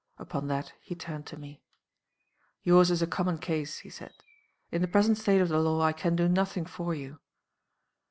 Upon that he turned to me. 'Yours is a common case,' he said. 'In the present state of the law I can do nothing for you.